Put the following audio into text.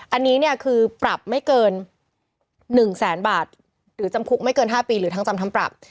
อันนี้เนี่ยคือปรับไม่เกิน๑แสนบาทหรือจำคุกไม่เกิน๕ปีหรือทั้งจำทั้งปรับ